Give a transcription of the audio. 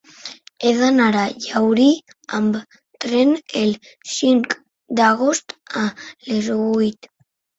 He d'anar a Llaurí amb tren el cinc d'agost a les vuit.